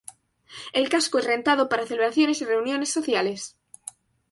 El casco es rentado para celebraciones y reuniones sociales.